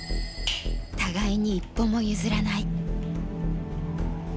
互いに一歩も譲らない。